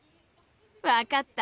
分かった！